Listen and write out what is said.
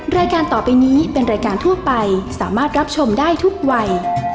รายการต่อไปนี้เป็นรายการทั่วไปสามารถรับชมได้ทุกวัย